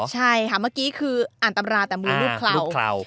ใช่ค่ะเมื่อกี้คืออ่านตำราแต่มือรูปเครา